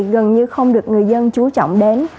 gần như không được người dân chú trọng đến